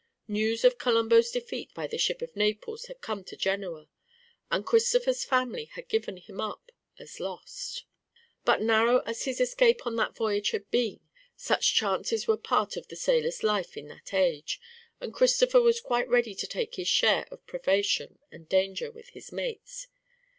News of Colombo's defeat by the ship of Naples had come to Genoa, and Christopher's family had given him up as lost. But narrow as his escape on that voyage had been, such chances were part of the sailor's life in that age, and Christopher was quite ready to take his share of privation and danger with his mates.